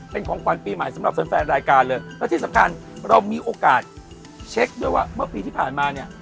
เป็นของขวัญปีใหม่สำหรับแฟนแฟนรายการเลยแล้วที่สำคัญเรามีโอกาสเช็คด้วยว่าเมื่อปีที่ผ่านมาเนี่ย